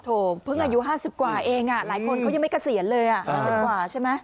โถเพิ่งอายุห้าสิบกว่าเองอ่ะหลายคนเขายังไม่เกษียณเลยอ่ะห้าสิบกว่าใช่ไหม